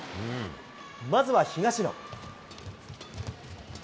まずは東野。